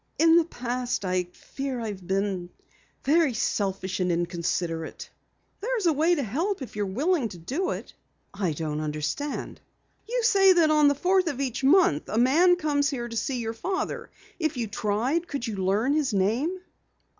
"In the past I fear I've been very selfish and inconsiderate." "There's a way to help if you're willing to do it." "I don't understand." "You say that on the fourth of each month a man comes here to see your father. If you tried could you learn his name?"